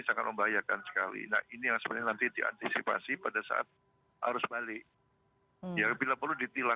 atau tagline kita adalah